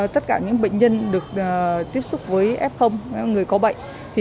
tất cả những bệnh nhân được tiếp xúc với f người có bệnh